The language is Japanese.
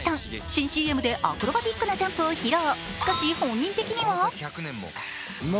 新ＣＭでアクロバティックなジャンプを披露。